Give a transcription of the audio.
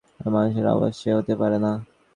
যে এমন আওয়াজ করছে, সে মানুষ হতে পারে না।